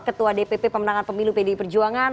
ketua dpp pemenangan pemilu pdi perjuangan